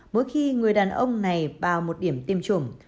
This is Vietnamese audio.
mỗi khi người đàn ông này vào một điểm tiêm chủng